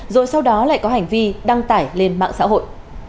rồi sau đó lại có hành vi đăng tải lên mạng xã hội